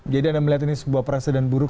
jadi anda melihat ini sebuah perasaan buruk